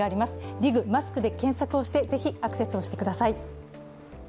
ＤＩＧ マスクで検索をしてぜひアクセスをしてください。